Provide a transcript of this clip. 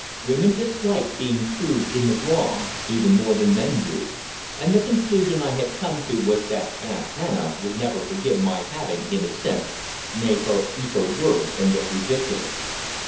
Women dislike being proved to be in the wrong even more than men do, and the conclusion I had come to was that Aunt Hannah would never forgive my having, in a sense, made her eat her words and look ridiculous.